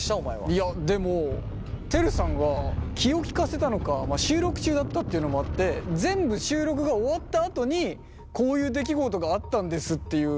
いやでもてるさんが気を利かせたのか収録中だったっていうのもあって全部収録が終わったあとにこういう出来事があったんですっていう。